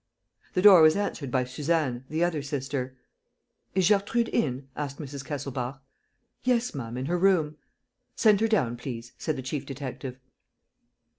The door was answered by Suzanne, the other sister. "Is Gertrude in?" asked Mrs. Kesselbach. "Yes, ma'am, in her room." "Send her down, please," said the chief detective.